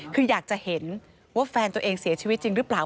คืออยากจะเห็นว่าแฟนตัวเองเสียชีวิตจริงหรือเปล่า